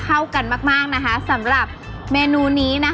เพราะว่าผักหวานจะสามารถทำออกมาเป็นเมนูอะไรได้บ้าง